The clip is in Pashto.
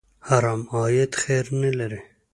حرام عاید خیر نه لري.